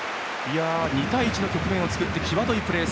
２対１の局面を作り際どいプレー。